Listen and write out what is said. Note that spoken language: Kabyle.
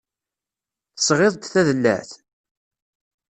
Tesɣiḍ-d tadellaɛt?